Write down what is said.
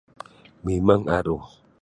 mimang aru